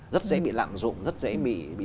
rất dễ bị lạm dụng rất dễ bị